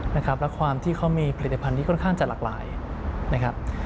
และความที่เขามีผลิตภัณฑ์ที่ค่อนข้างจะหลาก